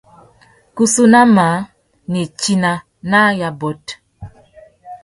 Kussú nà măh nitina nà yôbôt.